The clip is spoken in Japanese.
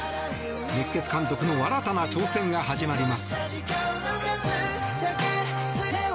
熱血監督の新たな挑戦が始まります。